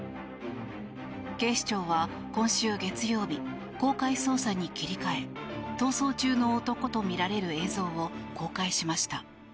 警視庁は今週月曜日公開捜査に切り替え逃走中の男とみられる映像を公開しました。